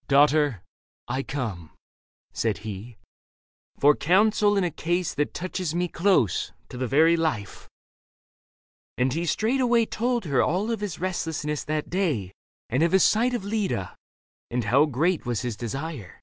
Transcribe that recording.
" Daughter, I come," said he, " For counsel in a case that touches me Close, to the very life." And he straightway Told her of all his restlessness that day And of his sight of Leda, and how great Was his desire.